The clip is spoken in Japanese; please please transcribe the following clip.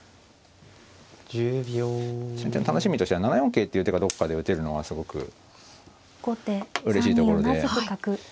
先手の楽しみとしては７四桂っていう手がどっかで打てるのがすごくうれしいところで。